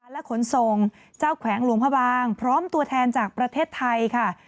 และขนส่งเจ้าแขวงหลวงพระบางพร้อมตัวแทนจากประเทศไทยค่ะ